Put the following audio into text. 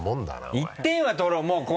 １点は取ろう